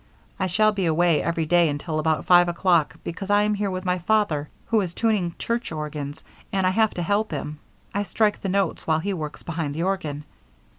I shall be away every day until about five o'clock because I am here with my father who is tuning church organs, and I have to help him. I strike the notes while he works behind the organ.